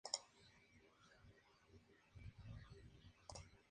Artemisa convierte a Zoë en una constelación, en memoria de ella.